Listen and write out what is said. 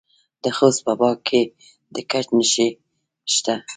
د خوست په باک کې د ګچ نښې شته.